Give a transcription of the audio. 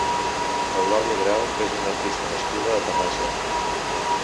Eulàlia Grau és una artista nascuda a Terrassa.